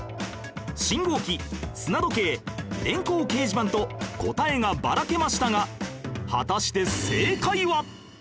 信号機砂時計電光掲示板と答えがバラけましたが果たして正解は？